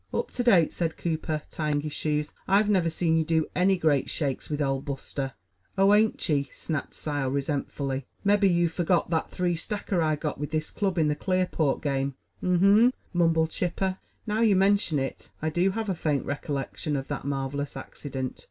"Up to date," said Cooper, tying his shoes, "I've never seen you do any great shakes with Old Buster." "Oh, ain't ye?" snapped Sile resentfully. "Mebbe yeou've forgot that three sacker I got with this club in the Clearport game." "Um mum," mumbled Chipper. "Now you mention it, I do have a faint recollection of that marvelous accident.